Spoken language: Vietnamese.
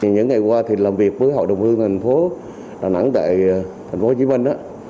những ngày qua thì làm việc với hội đồng hương thành phố đà nẵng tại thành phố hồ chí minh